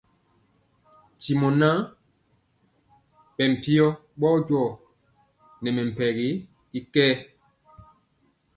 Ntimɔ ŋan, bɛ mpiɔ bɔjɔ nɛ mɛmpɛgi y kɛɛ.